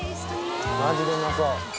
マジでうまそう！